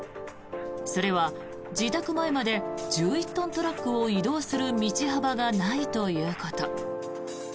それは自宅前まで１１トントラックを移動する道幅がないということ。